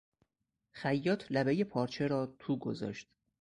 خیاط لبهٔ پارچه را تو گذاشت.